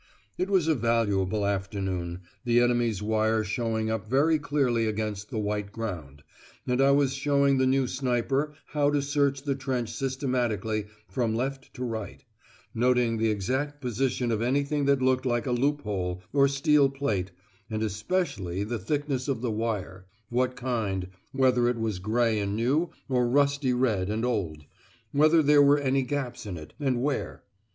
It was a valuable afternoon, the enemy's wire showing up very clearly against the white ground, and I was showing the new sniper how to search the trench systematically from left to right, noting the exact position of anything that looked like a loophole, or steel plate, and especially the thickness of the wire, what kind, whether it was grey and new, or rusty red and old; whether there were any gaps in it, and where.